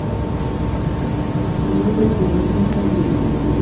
التجربة العلم الكبير